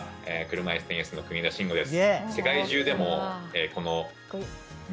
車いすテニスの国枝慎吾です。